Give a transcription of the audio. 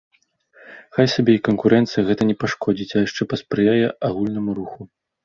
Хай сабе і канкурэнцыя, гэта не пашкодзіць, а яшчэ паспрыяе агульнаму руху.